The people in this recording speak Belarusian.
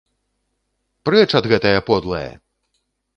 Прэч ад гэтае подлае!